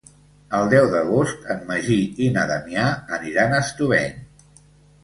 El deu d'agost en Magí i na Damià aniran a Estubeny.